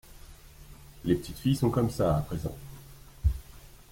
Les petites filles sont comme ça à présent.